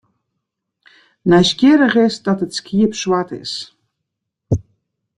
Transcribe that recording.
Nijsgjirrich is dat it skiep swart is.